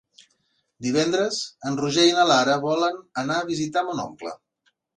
Divendres en Roger i na Lara volen anar a visitar mon oncle.